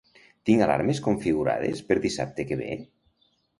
Tinc alarmes configurades per dissabte que ve?